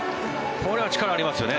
これは力ありますよね。